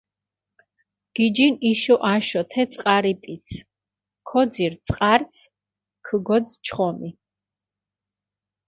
გიჯინ იშო-აშო თე წყარიპიცჷ, ქოძირჷ წყარცჷ ქჷგოძჷ ჩხომი.